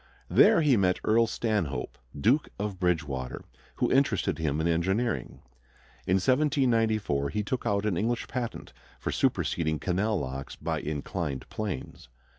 There he met Earl Stanhope, Duke of Bridgewater, who interested him in engineering. In 1794 he took out an English patent for superseding canal locks by inclined planes.